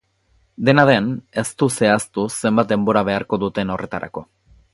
Dena den, ez du zehaztu zenbat denbora beharko duten horretarako.